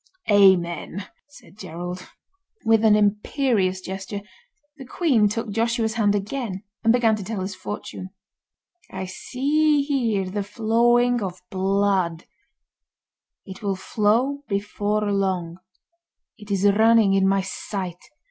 "Amen!" said Gerald. With an imperious gesture the Queen took Joshua's hand again, and began to tell his fortune. "I see here the flowing of blood; it will flow before long; it is running in my sight.